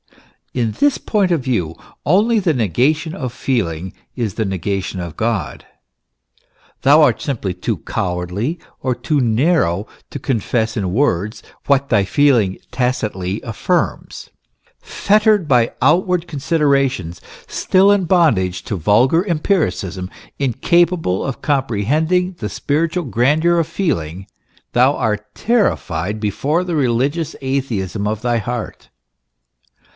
In this point of view, only the negation of feeling is the negation of God. Thou art simply too cowardly or too narrow to confess in words what thy feeling tacitly affirms. Fettered by outward considerations, still in bondage to vulgar empiricism, incapable of comprehending the spiritual grandeur of feeling, thou art terrified before the religious atheism of thy heart.